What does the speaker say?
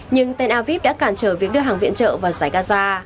nhưng tên aviv đã cản trở việc đưa hàng viện trợ vào giải gaza